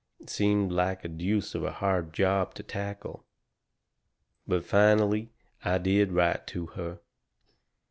It seemed like a deuce of a hard job to tackle. "But, finally, I did write her.